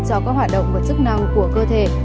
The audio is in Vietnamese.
cho các hoạt động và chức năng của cơ thể